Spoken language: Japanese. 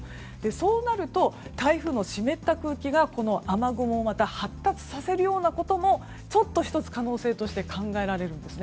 そうなると台風の湿った空気がこの雨雲をまた発達させるようなことも可能性として考えられるんです。